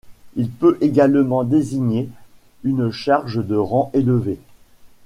Il peut également désigner une charge de rang élevé.